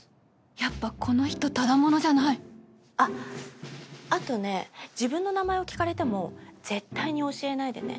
やっぱこの人ただ者じゃないあっあとね自分の名前を聞かれても絶対に教えないでね。